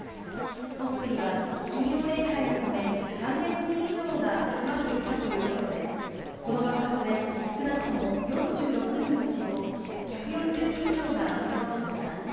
モスクには金曜礼拝のため、３００人以上が集まっていたということで、この爆発で少なくとも４６人が死亡、１４０人以上がけがをしました。